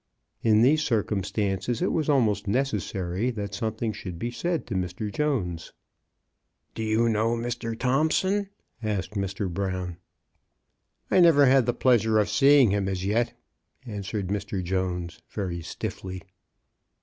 In these circumstances it was almost necessary that something should be said to Mr. Jones. *' Do you know Mr. Thompson?" asked Mr. Brown. '' I never had the pleasure of seeing him — as yet," answered Mr. Jones, very stiffly.